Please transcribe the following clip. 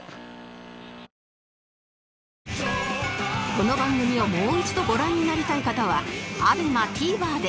この番組をもう一度ご覧になりたい方は ＡＢＥＭＡＴＶｅｒ で